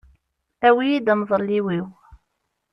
Awi-iyi-d amḍelliw-iw.